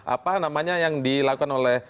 apa namanya yang dilakukan oleh